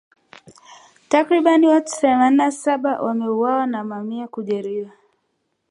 Takribani watu themanini na saba wameuawa na mamia kujeruhiwa